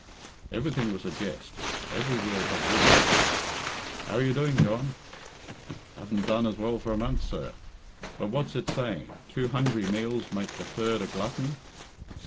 Everything was a jest every word had wit in it. "How are you doing, John?" "Haven't done as well for a month, sir; but what's it saying, two hungry meals make the third a glutton."